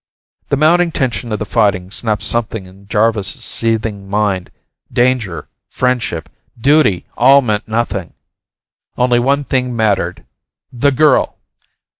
The mounting tension of the fighting snapped something in Jarvis' seething mind. Danger, friendship, duty, all meant nothing. Only one thing mattered. The girl!